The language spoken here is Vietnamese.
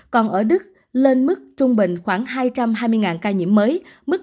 còn ở đức lên mức trung bình khoảng hai trăm hai mươi ca nhiễm mới mức